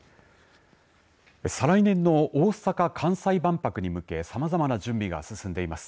再来年の大阪・関西万博に向けさまざまな準備が進んでいます。